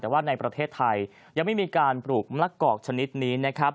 แต่ว่าในประเทศไทยยังไม่มีการปลูกมะละกอกชนิดนี้นะครับ